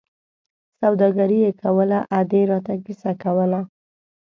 سوداګري یې کوله، ادې را ته کیسه کوله.